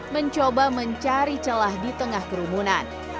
mencoba mencari celah di tengah kerumunan